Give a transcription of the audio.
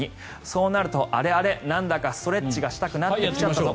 そうすると、あれあれなんだかストレッチがしたくなってきました。